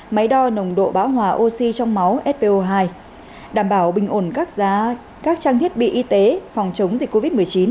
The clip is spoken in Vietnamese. máy đo nồng độ bão hòa oxy trong máu spo hai đảm bảo bình ổn các trang thiết bị y tế phòng chống dịch covid một mươi chín